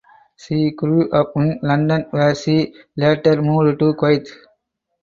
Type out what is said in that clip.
She grew up in London where she later moved to Kuwait.